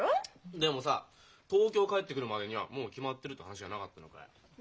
でもさ東京帰ってくるまでにはもう決まってるって話じゃなかったのかよ？